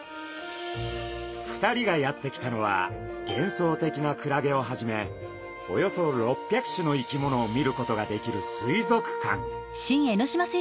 ２人がやってきたのは幻想的なクラゲをはじめおよそ６００種の生き物を見ることができる水族館。